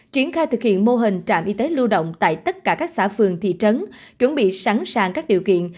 triển khai thực hiện mô hình trạm y tế lưu động tại tất cả các xã phường thị trấn chuẩn bị sẵn sàng các điều kiện